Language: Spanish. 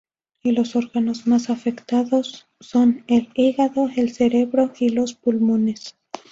Y los órganos más afectados son: el hígado, el cerebro y los pulmones.